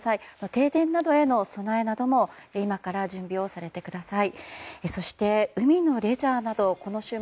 停電などへの備えなども今から準備をされてください。